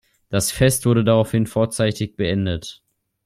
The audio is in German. Das Fest wurde daraufhin vorzeitig beendet.